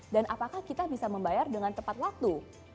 dan apakah kita bisa membayar dengan tepat waktu